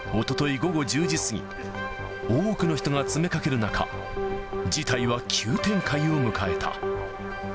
午後１０時過ぎ、多くの人が詰めかける中、事態は急展開を迎えた。